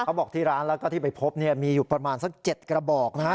บอกที่ร้านแล้วก็ที่ไปพบเนี่ยมีอยู่ประมาณสัก๗กระบอกนะฮะ